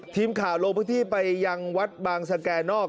ทีมข่าวโลกพิธีไปยังวัดบางสกแกนอก